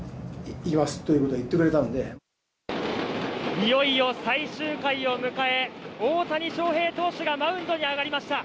いよいよ最終回を迎え、大谷翔平投手がマウンドに上がりました。